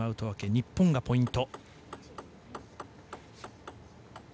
日本がポイント。